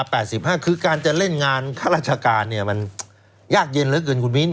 คือการจะเล่นงานข้าราชการมันยากเย็นเหลือเกินคุณมิ้น